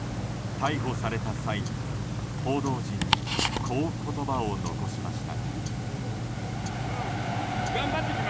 逮捕された際に、報道陣にこう言葉を残しました。